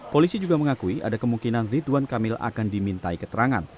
polisi juga mengakui ada kemungkinan ridwan kamil akan dimintai keterangan